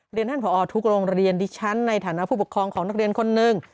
ท่านผอทุกโรงเรียนดิฉันในฐานะผู้ปกครองของนักเรียนคนหนึ่ง